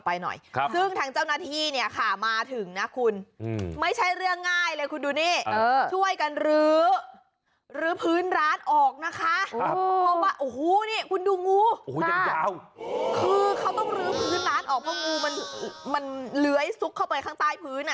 เพราะงูมันเหลือยซุกเข้าไปข้างใต้พื้น